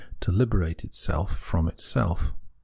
to liberate itself from itself.